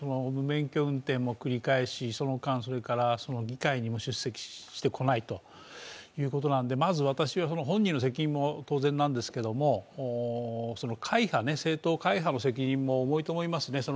無免許運転も繰り返し、その間、議会にも出席してこないということなんでまず本人の責任も当然なんですけれども、政党会派の責任も重いと思いますね。